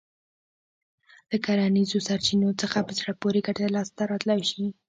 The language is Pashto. له کرنیزو سرچينو څخه په زړه پورې ګټه لاسته راتلای شي.